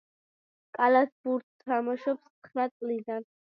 კალათბურთს თამაშობს ცხრა წლიდან.